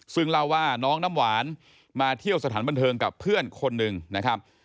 ซึ่งเล่าว่าน้องน้ำหวานมาเที่ยวสถานบันเทิงกับเพื่อนคนหนึ่งนะครับ